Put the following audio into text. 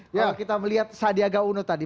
kalau kita melihat sandiaga uno tadi